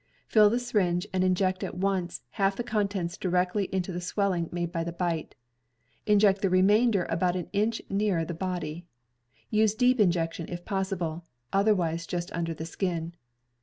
Fill the syringe and inject at once half the contents directly into the swelling made by the bite. Inject the remainder about an inch nearer the body. Use deep injection if possible, otherwise just under the skin.